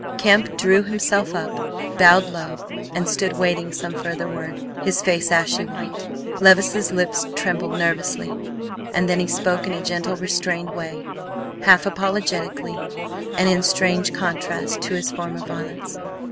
Kemp drew himself up, bowed low, and stood waiting some further word, his face ashy white. Levice's lips trembled nervously, and then he spoke in a gentle, restrained way, half apologetically and in strange contrast to his former violence.